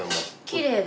きれい。